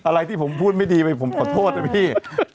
อะไรที่ผมพูดไม่ดีไปผมขอโทษนะพี่